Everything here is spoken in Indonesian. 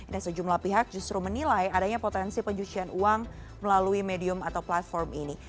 dan sejumlah pihak justru menilai adanya potensi pencucian uang melalui medium atau platform ini